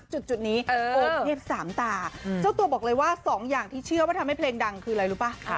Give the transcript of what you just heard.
จุดนี้โอบเทพสามตาเจ้าตัวบอกเลยว่าสองอย่างที่เชื่อว่าทำให้เพลงดังคืออะไรรู้ป่ะ